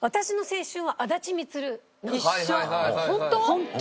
ホント。